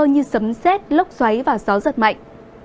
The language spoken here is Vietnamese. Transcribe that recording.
như sấm xét lốc xoáy và gió giật mạnh